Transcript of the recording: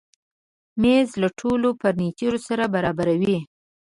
مېز له ټولو فرنیچرو سره برابر وي.